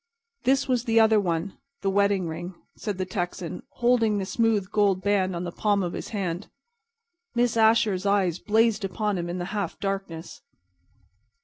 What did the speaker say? "This was the other one—the wedding ring," said the Texan, holding the smooth gold band on the palm of his hand. Miss Asher's eyes blazed upon him in the half darkness.